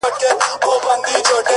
اوس مي لا په هر رگ كي خـوره نـــه ده-